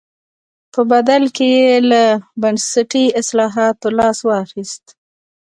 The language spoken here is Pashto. په بدل کې یې له بنسټي اصلاحاتو لاس واخیست.